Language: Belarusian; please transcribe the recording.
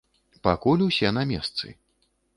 Пакуль усе на месцы.